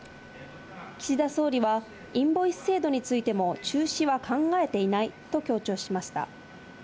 岸田総理は、インボイス制度についても中止は考えていないと強調しました。